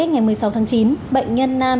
ngày một mươi sáu tháng chín bệnh nhân nam